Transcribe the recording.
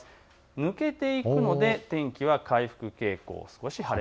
抜けていくので天気が回復傾向。